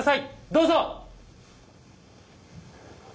どうぞ！